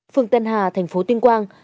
phường tân hà thành phố tuyên quang